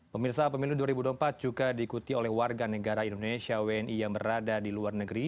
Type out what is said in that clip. pemirsa pemilu dua ribu dua puluh empat juga diikuti oleh warga negara indonesia wni yang berada di luar negeri